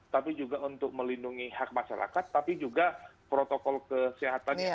tapi juga untuk melindungi hak masyarakat tapi juga protokol kesehatannya